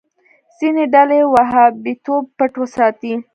ځینې ډلې وهابيتوب پټ وساتي.